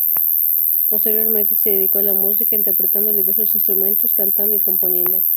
Posteriormente se dedicó a la música, interpretando diversos instrumentos, cantando y componiendo.